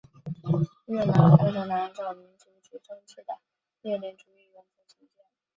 越南共产党按照民主集中制的列宁主义原则组建。